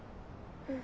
うん。